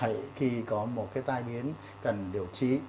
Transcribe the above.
hãy khi có một cái tai biến cần điều trí